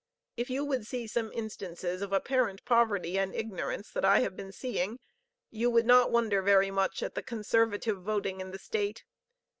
If you would see some instances of apparent poverty and ignorance that I have seen perhaps you would not wonder very much at the conservative voting in the State.